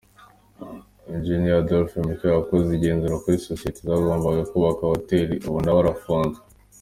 Eng Adolphe Muhirwa wakoze igenzura kuri sosiye zagombaga kubaka Hoteli, ubu na we arafunzwe